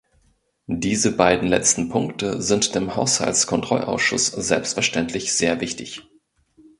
Diese beiden letzten Punkte sind dem Haushaltskontrollausschuss selbstverständlich sehr wichtig.